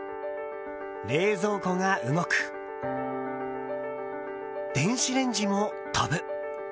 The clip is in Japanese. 冷蔵庫が動く、電子レンジも飛ぶ。